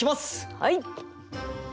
はい！